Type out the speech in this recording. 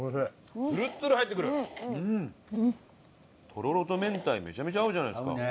とろろと明太めちゃめちゃ合うじゃないですか。